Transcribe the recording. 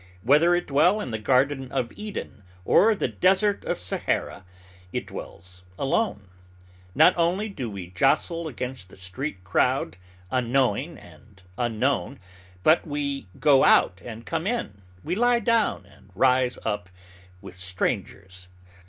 Whether it dwell in the Garden of Eden or the Desert of Sahara, it dwells alone. Not only do we jostle against the street crowd unknowing and unknown, but we go out and come in, we lie down and rise up, with strangers.